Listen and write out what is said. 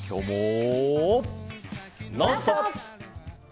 「ノンストップ！」。